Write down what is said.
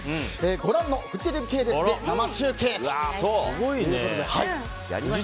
ご覧のフジテレビ系列で生中継ということで。